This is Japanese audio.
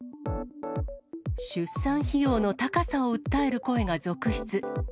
出産費用の高さを訴える声が続出。